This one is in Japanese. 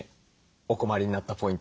お困りになったポイント